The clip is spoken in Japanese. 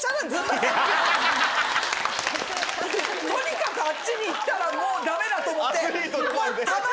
とにかくあっちに行ったらもうダメだと思って。